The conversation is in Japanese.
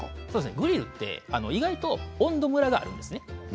グリルって意外と温度ムラがあるんです。